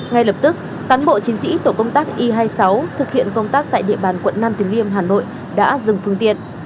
ngay lập tức cán bộ chiến sĩ tổ công tác y hai mươi sáu thực hiện công tác tại địa bàn quận năm từ liêm hà nội đã dừng phương tiện